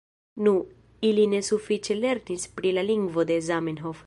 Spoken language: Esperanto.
Nu, ili ne sufiĉe lernis pri la lingvo de Zamenhof.